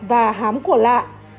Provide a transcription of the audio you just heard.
và hám của lạ